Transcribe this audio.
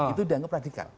itu dianggap radikal